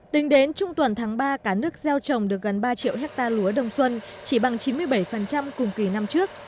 tính đến trung tuần tháng ba cả nước gieo trồng được gần ba triệu hectare lúa đông xuân chỉ bằng chín mươi bảy cùng kỳ năm trước